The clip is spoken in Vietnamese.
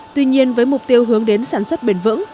tuy nhiên với mục tiêu hướng đến sản xuất bền vững